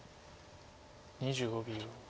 ２５秒。